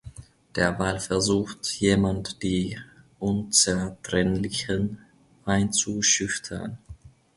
Derweil versucht jemand die „Unzertrennlichen“ einzuschüchtern.